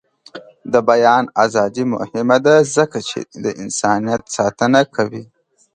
د بیان ازادي مهمه ده ځکه چې د انسانیت ساتنه کوي.